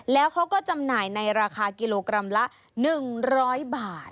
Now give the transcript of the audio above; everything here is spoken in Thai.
แล้วเขาก็จำหน่ายในราคากิโลกรัมละ๑๐๐บาท